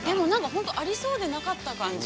◆本当ありそうでなかった感じ。